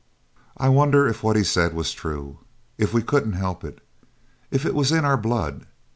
I wonder if what he said was true if we couldn't help it; if it was in our blood?